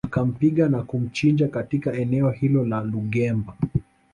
Akampiga na kumchinja katika eneo hilo la Lungemba